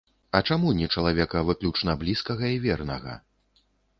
А чаму не чалавека выключна блізкага і вернага?